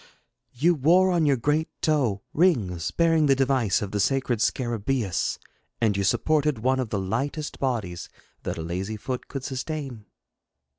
You wore on your great toe rings bearing the device of the sacred Scarabseus, and you supported one of the lightest bodies that a lazy foot could sustain.'